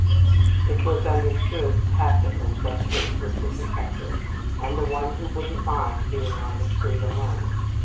It was understood tacitly that Kate was the protector, and the one who wouldn't mind being on the street alone.